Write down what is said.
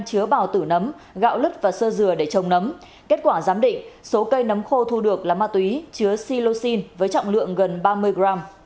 chứa bào tử nấm gạo lứt và sơ dừa để trồng nấm kết quả giám định số cây nấm khô thu được là ma túy chứa silosin với trọng lượng gần ba mươi gram